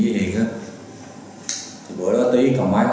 vì sáng sáng nguyễn tuấn trung đã bị nhận liệm vi phạm